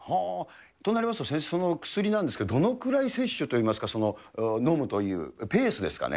となりますと先生、その薬なんですけど、どのくらい摂取といいますか、飲むというペースですかね。